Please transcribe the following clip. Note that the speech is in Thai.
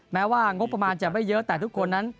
แม้ว่างบประมาณจะไม่เยอะแต่ทุกคนนั้น